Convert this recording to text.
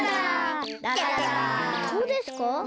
どうですか？